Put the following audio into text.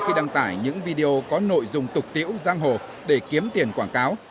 khi đăng tải những video có nội dung tục tiễu giang hồ để kiếm tiền quảng cáo